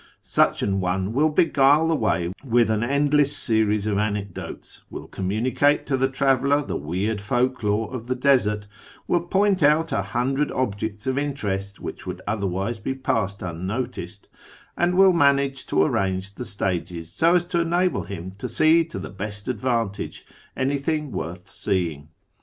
Such an one will beguile the way with an endless series of anecdotes, will communicate to the traveller the w^eird folk lore of the desert, will point out a hundred objects of interest which would otherwise be passed unnoticed, and will manage to arrange the stages so as to enable him to see to the o o o best advantage anything worth seeing.